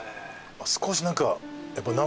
少し何か生。